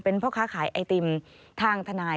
เป็นพ่อค้าขายไอติมทางทนาย